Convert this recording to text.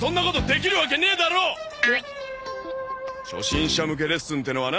初心者向けレッスンってのはな